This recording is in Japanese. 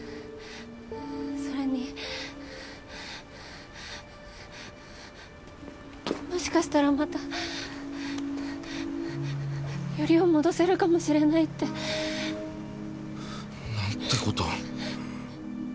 それにハァハァハァもしかしたらまたよりを戻せるかもしれないって。なんてことを。